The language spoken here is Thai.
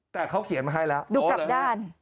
แต่เขาเขียนมาให้แล้วดูกลับด้าน